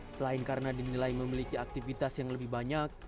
selain karena dinilai memiliki aktivitas yang lebih banyak